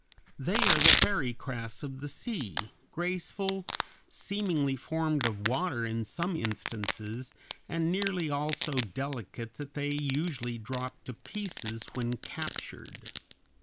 They are the fairy crafts of the sea, graceful, seemingly formed of water in some instances, and nearly all so delicate that they usually drop to pieces when captured.